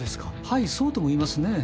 はいそうとも言いますね。